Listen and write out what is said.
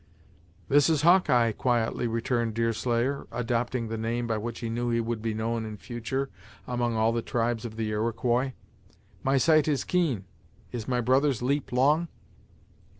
"This is Hawkeye," quietly returned Deerslayer, adopting the name by which he knew he would be known in future, among all the tribes of the Iroquois. "My sight is keen; is my brother's leap long?"